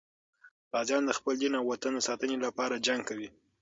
غازیان د خپل دین او وطن د ساتنې لپاره جنګ کوي.